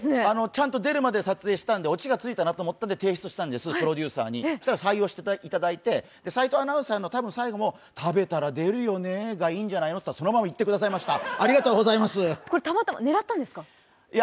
ちゃんと出るまで撮影したんで落ちがついたなと思ったので提出したんです、プロデューサーにそうしたら採用していただいて、斎藤アナウンサーの最後のも食べたら、出るよねがいいんじゃないの？って言ったらそのままいってくださいました。